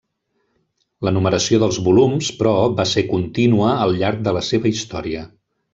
La numeració dels volums, però, va ser continua al llarg de la seva història.